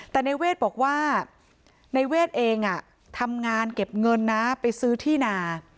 แต่ในเวทบอกว่าในเวทเองทำงานเก็บเงินนะไปซื้อที่นา